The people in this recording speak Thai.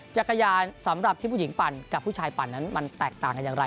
จักรยานสำหรับที่ผู้หญิงปั่นกับผู้ชายปั่นนั้นมันแตกต่างกันอย่างไร